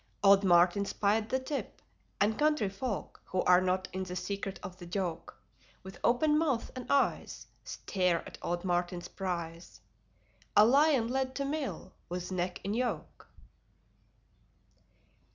Old Martin spied the tip; and country folk Who are not in the secret of the joke, With open mouths and eyes Stare at old Martin's prize A Lion led to mill, with neck in yoke.